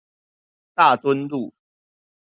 大墩路